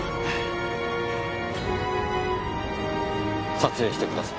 撮影してください。